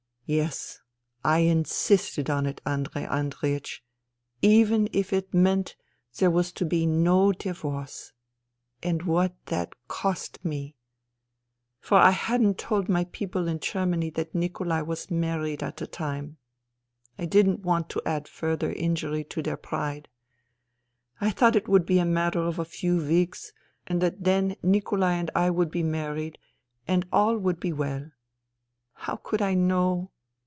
Yes, I insisted on it, Andrei Andreiech, even if it meant that there was to be no divorce. And what that cost me !..." For I hadn't told my people in Germany that Nikolai was married at the time. I didn't want to add fm*ther injury to their pride. I thought it would be a matter of a few weeks and that then Nikolai and I would be married, and all would be well. How could I know